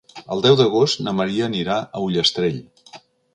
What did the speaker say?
El deu d'agost na Maria anirà a Ullastrell.